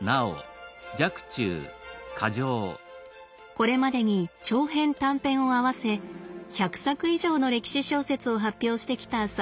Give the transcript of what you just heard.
これまでに長編短編を合わせ１００作以上の歴史小説を発表してきた澤田さん。